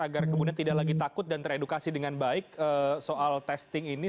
agar kemudian tidak lagi takut dan teredukasi dengan baik soal testing ini